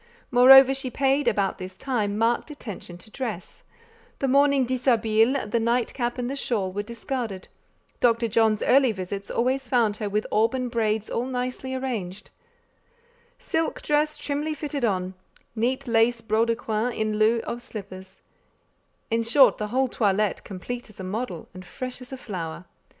Moreover, she paid, about this time, marked attention to dress: the morning dishabille, the nightcap and shawl, were discarded; Dr. John's early visits always found her with auburn braids all nicely arranged, silk dress trimly fitted on, neat laced brodequins in lieu of slippers: in short the whole toilette complete as a model, and fresh as a flower.